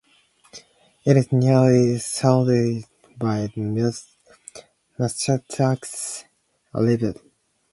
It is nearly surrounded by the Muscatatuck River.